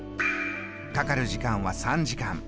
かかる時間は３時間。